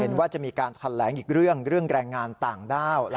เห็นว่าจะมีการแถลงอีกเรื่องเรื่องแรงงานต่างด้าว